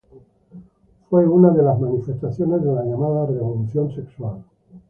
Fue una de las manifestaciones de la llamada revolución sexual.